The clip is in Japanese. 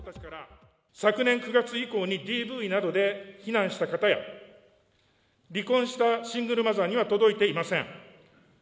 昨年９月以降に、ＤＶなどで避難した方や、離婚したシングルマザーには届いていません。